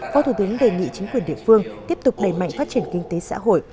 phó thủ tướng đề nghị chính quyền địa phương tiếp tục đẩy mạnh phát triển kinh tế xã hội